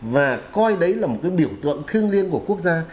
và coi đấy là một cái biểu tượng thiêng liêng của quốc gia